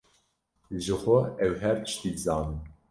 Jixwe ew her tiştî dizanin.